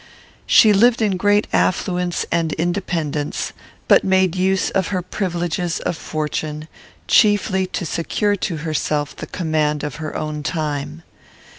She lived in great affluence and independence, but made use of her privileges of fortune chiefly to secure to herself the command of her own time.